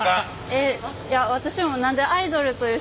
え！